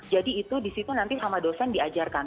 jadi itu di situ nanti sama dosen diajarkan